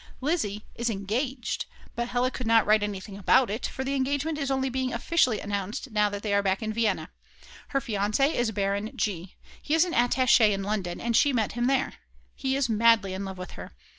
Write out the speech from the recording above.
Lizzi is engaged, but Hella could not write anything about it, for the engagement is only being officially announced now that they are back in Vienna; her fiance is Baron G. He is an attache in London, and she met him there. He is madly in love with her.